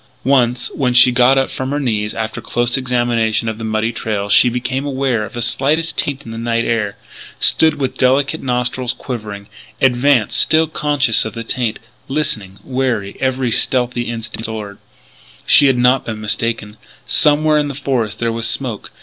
Once when she got up from her knees after close examination of the muddy trail, she became aware of the slightest taint in the night air stood with delicate nostrils quivering advanced, still conscious of the taint, listening, wary, every stealthy instinct alert. She had not been mistaken: somewhere in the forest there was smoke.